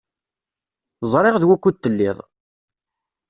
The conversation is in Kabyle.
Ẓriɣ d wukud telliḍ.